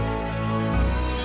lo terima kasih